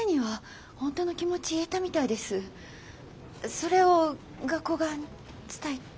それを学校側に伝えた？